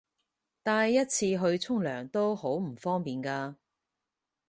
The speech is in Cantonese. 帶一次去沖涼都好唔方便㗎